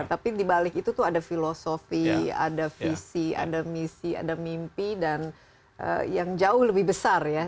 tapi dibalik itu tuh ada filosofi ada visi ada misi ada mimpi dan yang jauh lebih besar ya